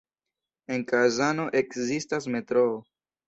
En Kazano ekzistas metroo.